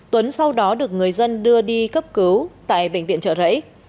tuấn sau đó được người dân đưa đi cấp cứu tại bệnh viện trợ rẫy